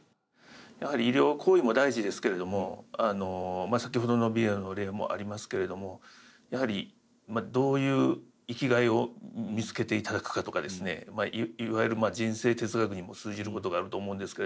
やはり医療行為も大事ですけれども先ほどのビデオの例もありますけれどもやはりどういう生きがいを見つけていただくかとかですねいわゆる人生哲学にも通じることがあると思うんですけれども。